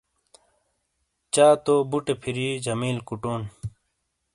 چا تو بُوٹے فِیری جَمیل کُوٹون۔